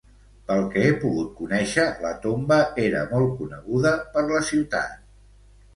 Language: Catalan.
Pel que he pogut conèixer, la tomba era molt coneguda per la ciutat.